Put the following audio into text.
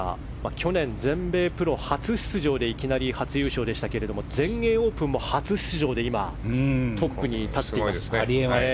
去年、全米プロ初出場でいきなり初優勝でしたが全英オープンも初出場で今、トップに立っています。